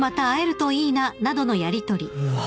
うわ。